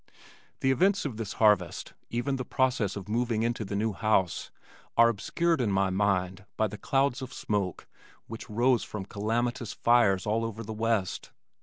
The events of this harvest, even the process of moving into the new house, are obscured in my mind by the clouds of smoke which rose from calamitous fires all over the west.